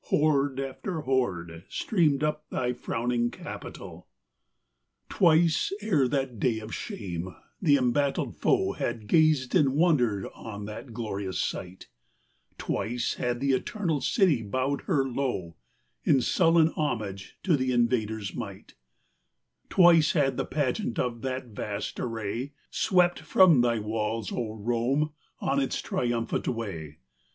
Horde after horde streamed up thy frowning Capitol. XIII. Twice, ere that day of shame, the embattled foe Had gazed in wonder on that glorious sight ; Twice had the eternal city bowed her low In sullen homage to the invader's might : Twice had the pageant of that vast array Swept, from thy walls, O Rome, on its triumphant way.